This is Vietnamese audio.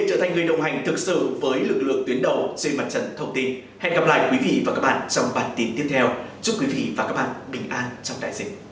chào tạm biệt